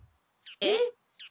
えっ？